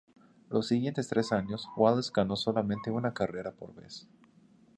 Los siguientes tres años, Wallace ganó solamente una carrera por vez.